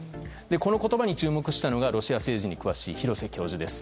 この言葉に注目したのがロシア政治に詳しい廣瀬教授です。